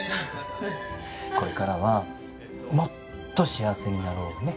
これからはもっと幸せになろうね。